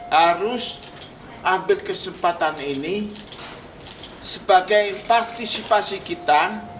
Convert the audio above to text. harus ambil kesempatan ini sebagai partisipasi kita